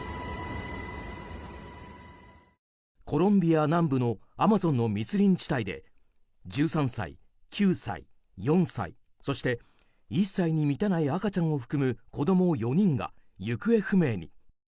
コロンビア南部のアマゾンの密林地帯で１３歳、９歳、４歳、そして１歳に満たない赤ちゃんを含む子供４人が行方不明に。